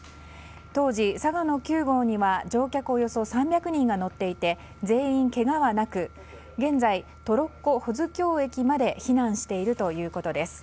当時、「嵯峨野９号」には乗客およそ３００人が乗っていて全員けがはなく現在、トロッコ保津峡駅まで避難しているということです。